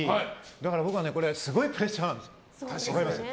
だから僕はすごいプレッシャーなんです。